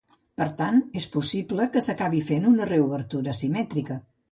Per tant, és possible que s’acabi fent una reobertura asimètrica.